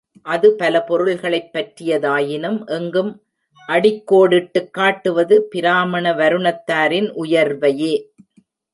அது பல பொருள்களைப் பற்றியதாயினும் எங்கும் அடிக்கோடிட்டுக் காட்டுவது பிராமண வருணத்தாரின் உயர்வையே.